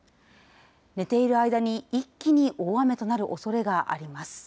寝ている間に一気に大雨となるおそれがあります。